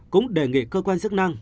cũng đề nghị cơ quan sức năng